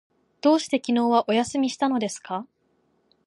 どうして昨日はお休みしたのですか？